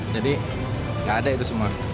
jadi gak ada itu semua